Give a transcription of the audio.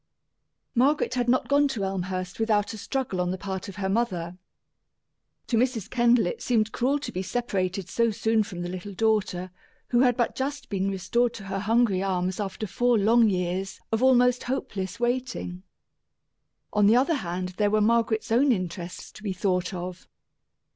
Margaret had not gone to Elmhurst without a struggle on the part of her mother. To Mrs. Kendall it seemed cruel to be separated so soon from the little daughter who had but just been restored to her hungry arms after four long years of almost hopeless waiting. On the other hand, there were Margaret's own interests to be thought of.